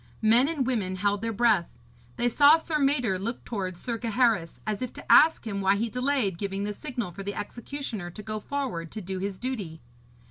Men and women held their breath. They saw Sir Mador look towards Sir Gaheris, as if to ask him why he delayed giving the signal for the executioner to go forward to do his duty.